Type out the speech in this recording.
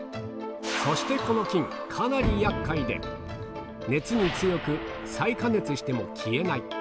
そしてこの菌、かなりやっかいで、熱に強く、再加熱しても消えない。